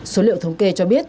số liệu thống kê cho biết